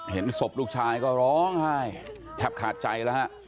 เห็นศพลูกชายก็ร้องไห้แทบขาดใจแล้วฮะ